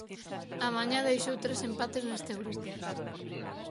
A mañá deixou tres empates neste grupo.